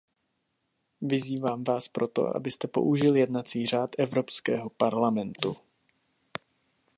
Vyzývám vás proto, abyste použil jednací řád Evropského parlamentu.